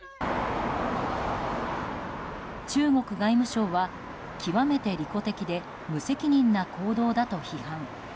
中国外務省は極めて利己的で無責任な行動だと批判。